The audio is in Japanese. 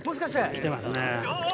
来てますね。